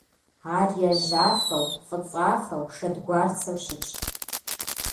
Ар яжьафэу, фӀыцӀафэу, шэдгуарцэу щытщ.